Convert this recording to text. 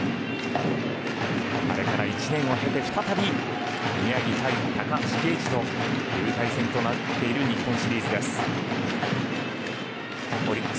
あれから１年を経て再び宮城対高橋奎二という対戦となっている日本シリーズです。